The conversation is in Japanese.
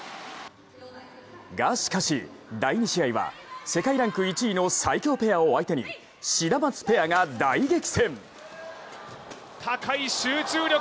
が、しかし第２試合は世界ランク１位の最強ペアを相手にシダマツペアが大激戦。